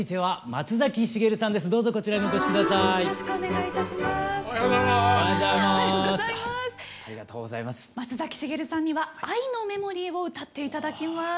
松崎しげるさんには「愛のメモリー」を歌って頂きます。